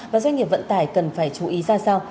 và doanh nghiệp vận tải cần phải chú ý ra sao